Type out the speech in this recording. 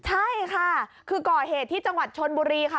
ใช่ค่ะคือก่อเหตุที่จังหวัดชนบุรีค่ะ